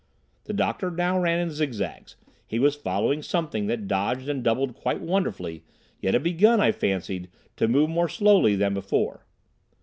The doctor now ran in zigzags. He was following something that dodged and doubled quite wonderfully, yet had begun, I fancied, to move more slowly than before.